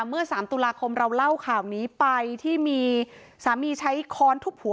เมื่อ๓ตุลาคมเราเล่าข่าวนี้ไปที่มีสามีใช้ค้อนทุบหัว